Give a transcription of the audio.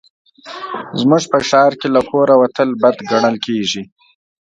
زموږ په ښار کې له کوره وتل بد ګڼل کېږي